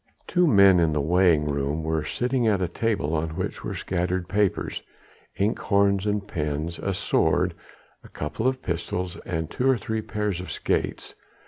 The two men in the weighing room were sitting at a table on which were scattered papers, inkhorns and pens, a sword, a couple of pistols and two or three pairs of skates.